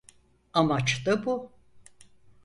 Amaç da bu.